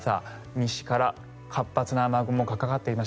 西から活発な雨雲がかかっています。